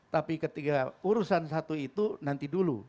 tapi ketika urusan satu itu nanti dulu